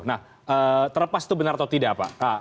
nah terlepas itu benar atau tidak pak